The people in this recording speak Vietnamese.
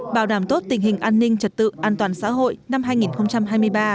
bảo đảm tốt tình hình an ninh trật tự an toàn xã hội năm hai nghìn hai mươi ba